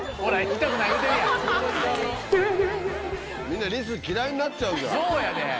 みんなリス嫌いになっちゃうじゃん。